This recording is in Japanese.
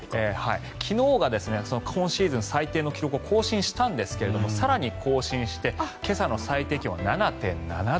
昨日が今シーズン最低の記録を更新したんですが更に更新して今朝の最低気温は７．７度。